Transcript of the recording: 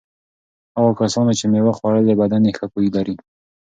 هغو کسانو چې مېوه خوړلي بدن یې ښه بوی لري.